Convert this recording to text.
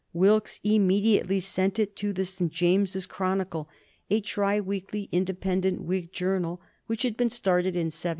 Wilkes immediately sent it to the St. James's Chronicle, a tri weekly independent Whig journal which had been started in 1760.